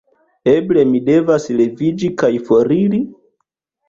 Eble mi devas leviĝi kaj foriri?